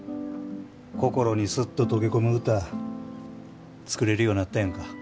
心にスッと溶け込む歌作れるようなったやんか。